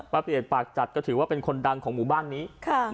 เปลี่ยนปากจัดก็ถือว่าเป็นคนดังของหมู่บ้านนี้